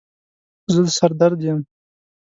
زه سر درد یم